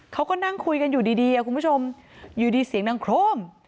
เขาก็นั่งคุยกันอยู่ดีคุณผู้ชมอยู่ดีเสียงดังโครม